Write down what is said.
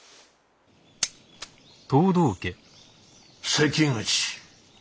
関口。